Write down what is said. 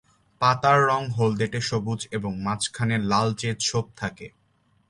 পাতার রং হলদেটে সবুজ এবং মাঝখানে লালচে ছোপ থাকে।